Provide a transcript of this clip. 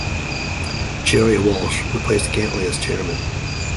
Gerry Walsh replaced Gantly as chairman.